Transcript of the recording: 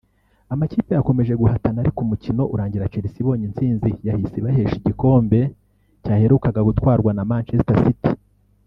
Amakipe yakomeje guhatana ariko umukino urangira Chelsea ibonye intsinzi yahise ibahesha igikombe cyaherukaga gutwarwa na Manchester City